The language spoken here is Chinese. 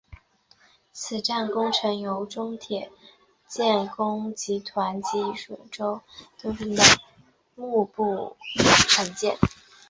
此站工程由中铁建工集团京沪高铁滕州东站项目部承建。